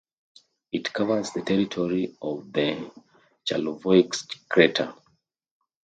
It covers the territory of the Charlevoix crater.